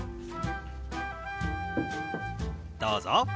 どうぞ。